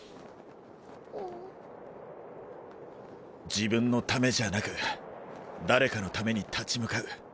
自分のためじゃなく誰かのために立ち向かう。